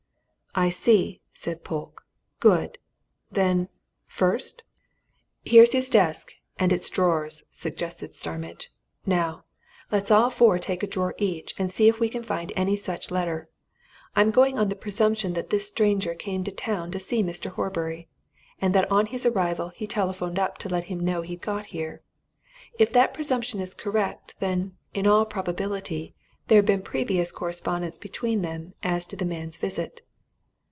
"I see," said Polke. "Good! Then first?" "Here's his desk and its drawers," suggested Starmidge. "Now, let us all four take a drawer each and see if we can find any such letter. I'm going on the presumption that this stranger came down to see Mr. Horbury, and that on his arrival he telephoned up to let him know he'd got here. If that presumption is correct, then, in all probability, there'd been previous correspondence between them as to the man's visit."